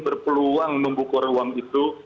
berpeluang membuka ruang itu